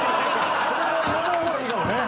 それは言わない方がいいかもね。